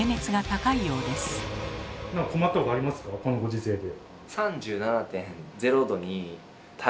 このご時世で。